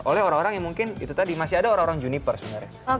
oleh orang orang yang mungkin itu tadi masih ada orang orang juniper sebenarnya